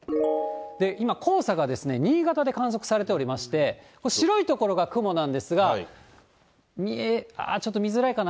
今、黄砂が新潟で観測されておりまして、白い所が雲なんですが、見え、あー、ちょっと見づらいかな？